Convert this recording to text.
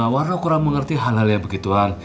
warna kurang mengerti hal hal yang begituan